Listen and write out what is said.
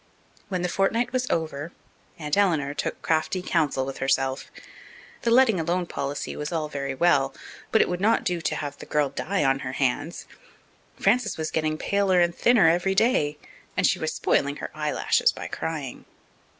When the fortnight was over, Aunt Eleanor took crafty counsel with herself. The letting alone policy was all very well, but it would not do to have the girl die on her hands. Frances was getting paler and thinner every day and she was spoiling her eyelashes by crying.